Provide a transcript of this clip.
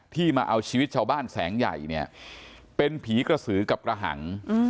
ที่มาเอาชีวิตชาวบ้านแสงใหญ่เนี่ยเป็นผีกระสือกับกระหัง